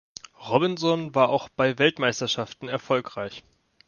Robinson war auch bei Weltmeisterschaften erfolgreich.